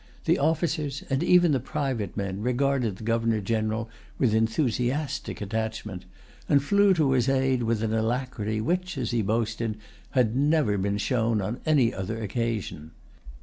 The officers, and even the private men, regarded the Governor General with enthusiastic attachment, and flew to his aid with an alacrity which, as he boasted, had never been shown on any other occasion.